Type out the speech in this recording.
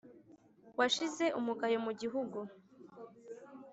washize umugayo mu gihugu